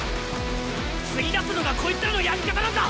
釣り出すのがこいつらのやり方なんだ！